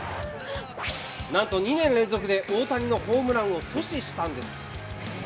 なんと２年連続で大谷のホームランを阻止したんです。